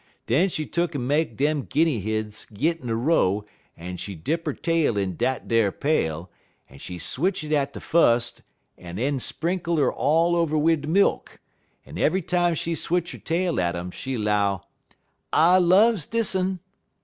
Den she tuck'n make dem Guinny hins git in a row, en she dip 'er tail in dat ar pail, en she switch it at de fust un en sprinkle 'er all over wid de milk; en eve'y time she switch 'er tail at um she 'low: "'I loves dis un!'